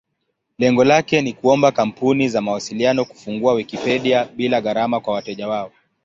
Lengo lake ni kuomba kampuni za mawasiliano kufungua Wikipedia bila gharama kwa wateja wao.